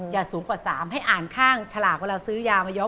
สูงกว่า๓ให้อ่านข้างฉลากเวลาซื้อยามายก